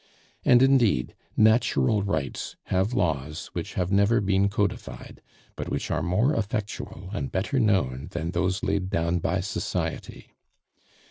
And, indeed, natural rights have laws which have never been codified, but which are more effectual and better known than those laid down by society.